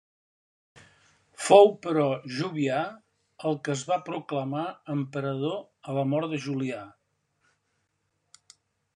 Fou però Jovià el que es va proclamar emperador a la mort de Julià.